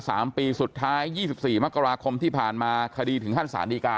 สามปีสุดท้ายยี่สิบสี่มกราคมที่ผ่านมาคดีถึงขั้นสารดีกา